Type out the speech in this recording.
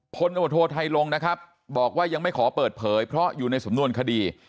คนโทษไทยลงนะครับบอกว่ายังไม่ขอเปิดเผยเพราะอยู่ในสมนวณคดี